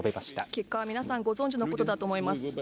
結果は皆さんご存じのことだと思います。